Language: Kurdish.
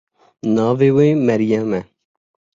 Navê wê Meryem e.